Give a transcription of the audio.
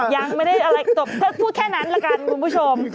ยังไม่ได้อะไรจบก็พูดแค่นั้นละกันคุณผู้ชม